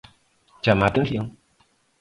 Chama a atención.